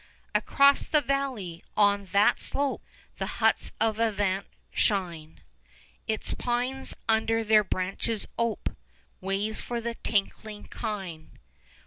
Across the valley, on that slope, The huts of Avant shine Its pines under their branches ope 15 Ways for the tinkling kine.